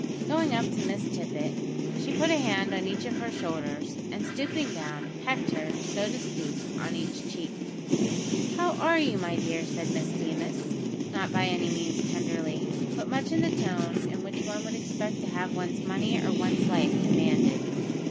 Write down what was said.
Going up to Miss Tippet, she put a hand on each of her shoulders, and stooping down, pecked her, so to speak, on each cheek. "How are you, my dear?" said Miss Deemas, not by any means tenderly; but much in the tone in which one would expect to have one's money or one's life demanded.